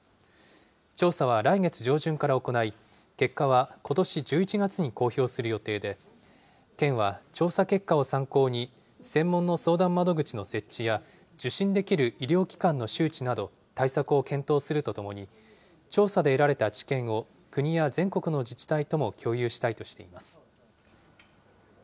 調査は来月上旬から行い、結果はことし１１月に公表する予定で、県は調査結果を参考に、専門の相談窓口の設置や、受診できる医療機関の周知など、対策を検討するとともに、調査で得られた知見を国や全国の自治体とも共有したいとしています。